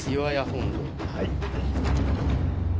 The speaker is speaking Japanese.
はい。